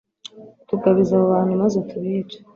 tugabize abo bantu maze tubice